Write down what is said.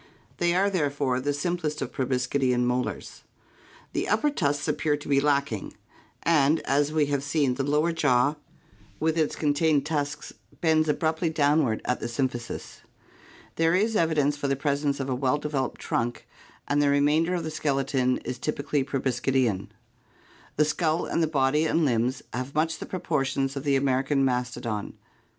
They are therefore the simplest of proboscidean molars. The upper tusks appear to be lacking, and, as we have iqq. — Head of Palaomastodon, restored. (From model by Lull.) PROBOSCIDEANS 595 seen, the lower jaw with its contained tusks bends abruptly down ward at the symphysis. There is evidence for the presence of a well developed trunk and the remainder of the skeleton is typi c a 1 1 y proboscidean. The skull and the body and limbs have much the proportions of the American mastodon.